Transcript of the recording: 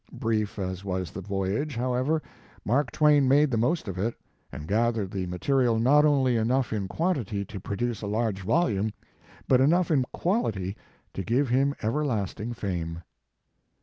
Brief as was the voyage, however, Mark Twain made the most of it, and gathered material not only enough in quantity to produce a large volume, but enough in quality to give him ever lasting fame.